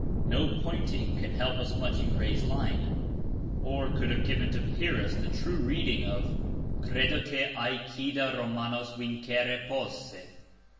No pointing can help us much in Gray's line, or could have given to Pyrrhus the true reading of "Credo te Æacida Romanos vincere posse."